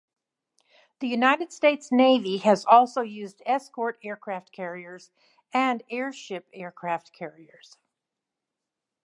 The United States Navy has also used escort aircraft carriers and airship aircraft carriers.